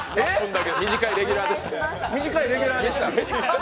短いレギュラーでした。